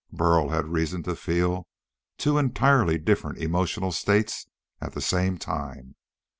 Burl had reason to feel two entirely different emotional states at the same time.